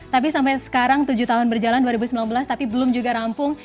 tapi sampai sekarang tujuh tahun berjalan dua ribu sembilan belas tapi belum juga rampung